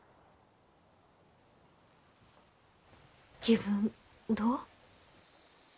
気分どう？